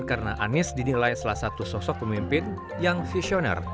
karena anies dinilai salah satu sosok pemimpin yang visioner